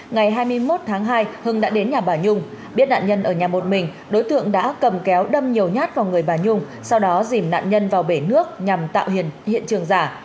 ngày hai mươi một tháng hai hưng đã đến nhà bà nhung biết nạn nhân ở nhà một mình đối tượng đã cầm kéo đâm nhiều nhát vào người bà nhung sau đó dìm nạn nhân vào bể nước nhằm tạo hiền hiện trường giả